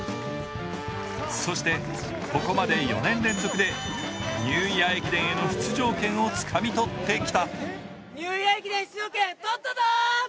そして、ここまで４年連続でニューイヤー駅伝への出場権をつかみ取ってきた。